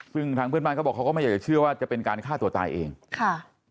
ซึ่งทางเพื่อนบ้านเขาบอกเขาก็ไม่อยากจะเชื่อว่าจะเป็นการฆ่าตัวตายเองค่ะ